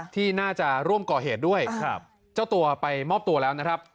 ที่น่าจะร่วมก่อเหตุด้วยครับเจ้าตัวไปมอบตัวแล้วนะครับ